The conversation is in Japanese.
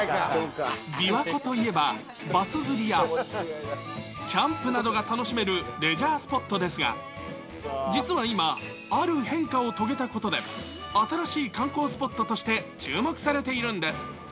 琵琶湖といえば、バス釣りやキャンプなどが楽しめるレジャースポットですが、実は今、ある変化を遂げたことで、新しい観光スポットとして注目されているんです。